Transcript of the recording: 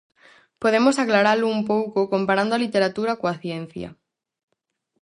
Podemos aclaralo un pouco comparando a literatura coa ciencia.